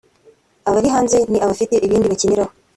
abari hanze ni abafite ibindi bakiniraho